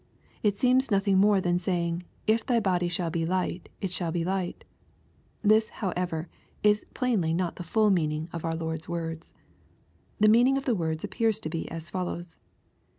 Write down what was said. It seems nothing more than saying, If thy body shall be light, it shall be light" This, however, is plainly not the full meaning of our Lord's words. The meaning of the words appears to be as follows.